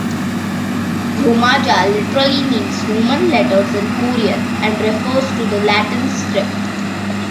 Romaja literally means "Roman letters" in Korean, and refers to the Latin script.